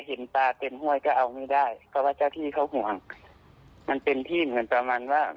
เห็นปลาเต็มห้วยก็เอาไม่ได้เพราะว่าเจ้าที่เขาห่วงมันเป็นที่เหมือนประมาณว่า